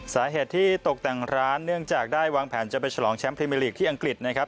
สาเหตุที่ตกแต่งร้านเนื่องจากได้วางแผนจะไปฉลองแชมป์พรีเมอร์ลีกที่อังกฤษนะครับ